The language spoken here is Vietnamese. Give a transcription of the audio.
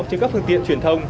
các phương tiện truyền thông